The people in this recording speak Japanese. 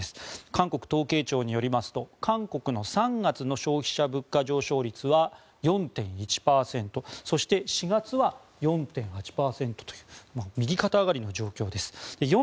韓国統計庁によりますと韓国の３月の消費者物価上昇率は４．１％そして、４月は４．８％という右肩上がりの状況です。